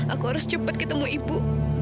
aku harus cepat ketemu ibu